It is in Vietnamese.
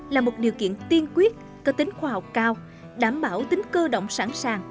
là một điều kiện tiên quyết có tính khoa học cao đảm bảo tính cơ động sẵn sàng